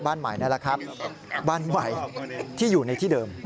บ้านใหม่นั่นแหละครับบ้านใหม่ที่อยู่ในที่เดิม